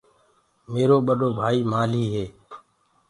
ميرو ٻڏو ڀآئيٚ مآلهيٚ هي۔